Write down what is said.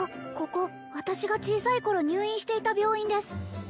ここ私が小さい頃入院していた病院です